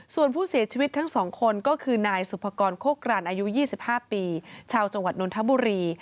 ส่วนผู้เสียชีวิตทั้ง๒คนก็คือนายสุภกรโคกรันอายุ๒๕ปีชาวจังหวัดนนทบุรี